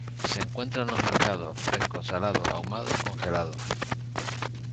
Se encuentra en los mercados fresco, salado, ahumado o congelado.